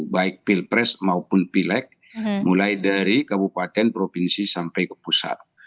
baik pilpres maupun pileg mulai dari kabupaten provinsi sampai ke pusat